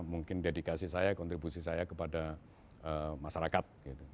dan mungkin ada dedikasi saya kontribusi saya kepada masyarakat